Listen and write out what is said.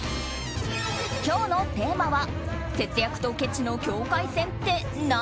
今日のテーマは節約とけちの境界線って何？